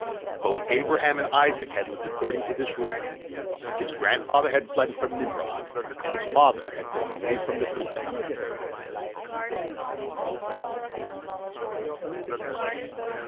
Both Abraham and Isaac had lived according to this rule. His grandfather had fled from Nimrod, and his father had gone away from the Philistines.